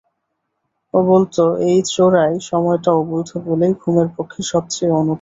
ও বলত, এই চোরাই সময়টা অবৈধ বলেই ঘুমের পক্ষে সব চেয়ে অনুকূল।